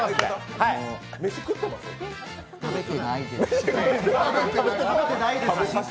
食べてないです。